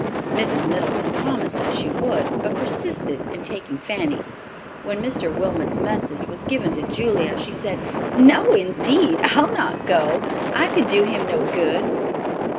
Mrs. Middleton promised that she would, but persisted in taking Fanny. When Mr. Wilmot's message was given to Julia, she said, "No, indeed, I'll not go. I could do him no good."